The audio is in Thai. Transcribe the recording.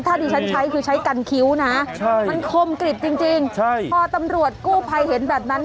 ถ้าที่ฉันใช้คือใช้กันคิ้วนะมันคมกริบจริงพอตำรวจกู้ภัยเห็นแบบนั้น